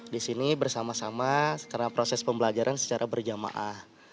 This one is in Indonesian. di sini bersama sama karena proses pembelajaran secara berjamaah